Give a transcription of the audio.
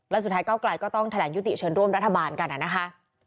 แล้วสุดท้ายเก้าไกลก็ต้องแถลงยุติเชิญร่วมรัฐบาลกันนะคะ